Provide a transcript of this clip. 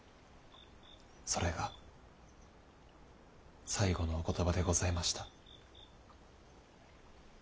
それが最後のお言葉でございました。